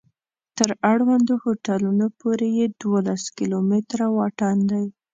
تر اړوندو هوټلونو پورې یې دولس کلومتره واټن دی.